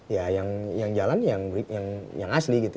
ya yang yang jalan yang yang asli gitu